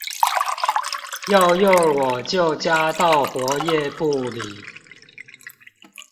要用我就加到活頁簿裡